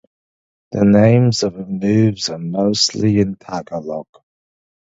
The names of her moves are mostly in Tagalog.